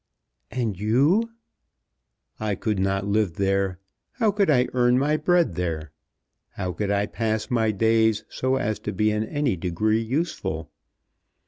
"And you?" "I could not live there. How could I earn my bread there? How could I pass my days so as to be in any degree useful?